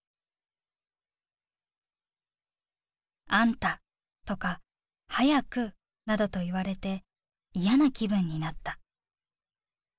「『あんた』とか『早く』などと言われて嫌な気分になった」。